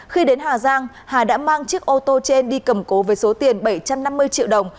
khi đến hà giang hà đã mang chiếc ô tô trên đi cầm cố với số tiền bảy trăm năm mươi triệu đồng